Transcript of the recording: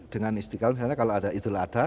dengan istiqlal misalnya kalau ada idul adha